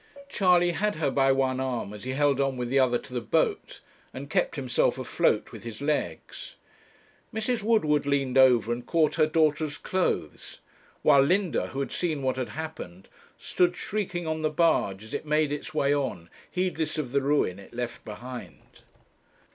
Charley had her by one arm as he held on with the other to the boat, and kept himself afloat with his legs. Mrs. Woodward leaned over and caught her daughter's clothes; while Linda, who had seen what had happened, stood shrieking on the barge, as it made its way on, heedless of the ruin it left behind.